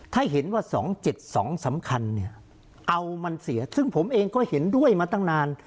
ถ้าเห็นว่า๒๗๒สำคัญเนี่ยเอามันเสียซึ่งผมเองก็เห็นด้วยมาตั้งนาน